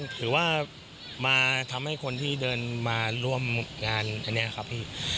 ถือว่ามาทำให้คนที่เดินมาร่วมงานอันนี้ครับพี่